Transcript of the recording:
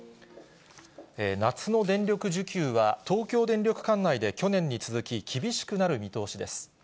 夏の電力需給は、東京電力管内で去年に続き、厳しくなる見通しです。